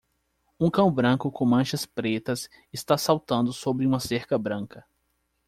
Um cão branco com manchas pretas está saltando sobre uma cerca branca.